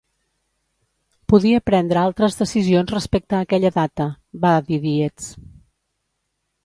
"Podia prendre altres decisions respecte a aquella data", va dir Dietz.